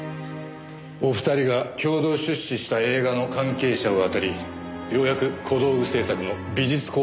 お二人が共同出資した映画の関係者をあたりようやく小道具製作の美術工房にたどり着けました。